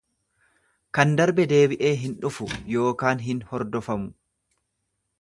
Kan darbe deebi'ee hin dhufu yookaan hin hordofamu.